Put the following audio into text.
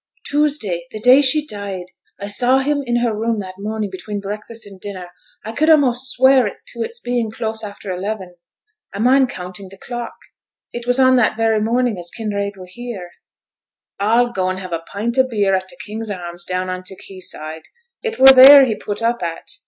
'Tuesday the day she died. I saw him in her room that morning between breakfast and dinner; I could a'most swear to it's being close after eleven. I mind counting t' clock. It was that very morn as Kinraid were here.' 'A'll go an' have a pint o' beer at t' King's Arms, down on t' quay side; it were theere he put up at.